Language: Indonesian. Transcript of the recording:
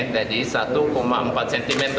jadi satu empat cm